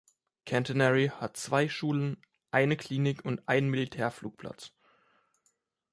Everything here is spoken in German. Centenary hat zwei Schulen, eine Klinik und einen Militärflugplatz.